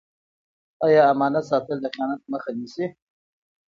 آیا امانت ساتل د خیانت مخه نیسي؟